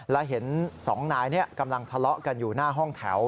และเห็นสองนายกำลังทะเลาะกันอยู่หน้าห้องแถว